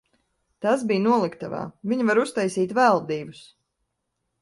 Tas bija noliktavā, viņi var uztaisīt vēl divus.